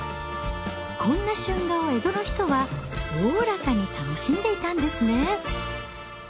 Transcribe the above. こんな春画を江戸の人はおおらかに楽しんでいたんですね。